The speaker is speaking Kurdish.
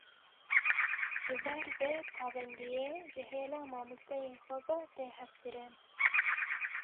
Ji ber vê pabendiyê ji hêla mamosteyê xwe ve tê hezkirin